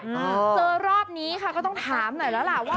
เจอรอบนี้ค่ะก็ต้องถามหน่อยแล้วล่ะว่า